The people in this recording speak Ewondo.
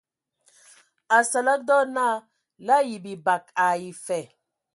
Asǝlǝg dɔ naa la ayi bibag ai fa.